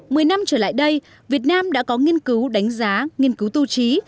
mười năm trở lại đây việt nam đã có nghiên cứu đánh giá nghiên cứu tu trí